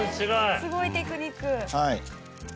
すごいテクニック。